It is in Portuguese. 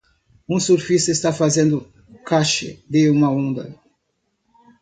Um surfista está fazendo cache de uma onda.